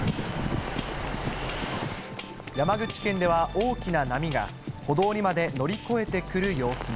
山口県では大きな波が歩道にまで乗り越えてくる様子も。